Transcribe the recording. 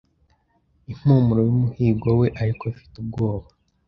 Impumuro yumuhigo we ariko afite ubwoba